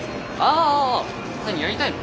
あ何やりたいの？